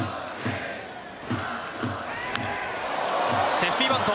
セーフティーバント。